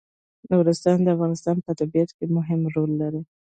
نورستان د افغانستان په طبیعت کې مهم رول لري.